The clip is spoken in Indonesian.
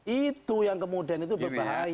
itu yang kemudian itu berbahaya